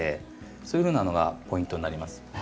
そういうふうなのがポイントになります。